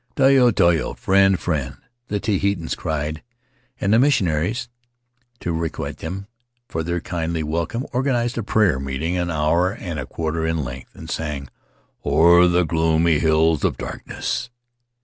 " Tayo! Tayo!" ("Friend! Friend!") the Tahitians cried, and the missionaries, to requite them for their kindly welcome, organized a prayer meeting an hour and a quarter in length, and sang, "O'er the Gloomy Hills of Darkness."